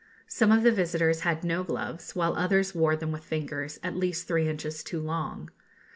Some of the visitors had no gloves, while others wore them with fingers at least three inches too long.